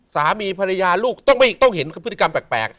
สามีภรรยาลูกต้องเห็นพฤติกรรมแปลก